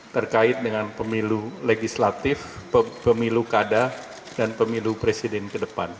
terkait dengan pemilu legislatif pemilu kada dan pemilu presiden ke depan